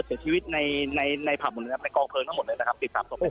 เสียชีวิตในในผับหมดเลยครับในกองเพลิงทั้งหมดเลยนะครับติด๓ศพ